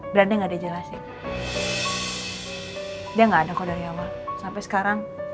berarti enggak dijelasin dia enggak ada kode nyawa sampai sekarang